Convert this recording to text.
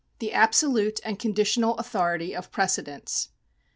The Absolute and Conditional Authority of Precedents.